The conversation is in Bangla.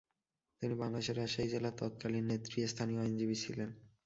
তিনি বাংলাদেশের রাজশাহী জেলার তৎকালীন নেতৃস্থানীয় আইনজীবী ছিলেন।